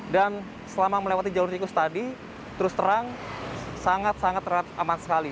dan selama melewati jalur tikus tadi terus terang sangat sangat aman sekali